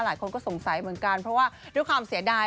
หลายคนก็สงสัยเหมือนกันเพราะว่าด้วยความเสียดาย